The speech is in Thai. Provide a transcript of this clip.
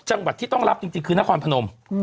จังหวัดที่ต้องรับจริงคือนครพนม